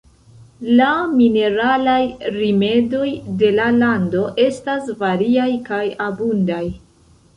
La mineralaj rimedoj de la lando estas variaj kaj abundaj.